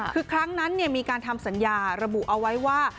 คือครั้งนั้นมีการทำสัญญาระบุเอาไว้ว่า